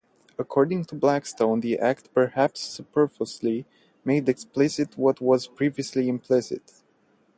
According to Blackstone, the Act "perhaps superfluously" made explicit what was previously implicit.